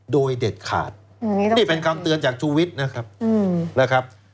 โดยเด็ดขาดอืมนี่เป็นคำเตือนจากชุวิตนะครับอืมนะครับ